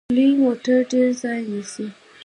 لوی موټر ډیر ځای نیسي.